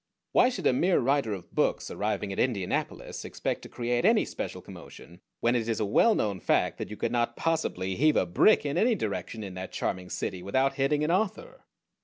Why should a mere writer of books arriving at Indianapolis expect to create any special commotion, when it is a well known fact that you could not possibly heave a brick in any direction in that charming city without hitting an author?